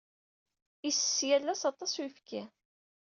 Isess yal ass aṭas n uyefki.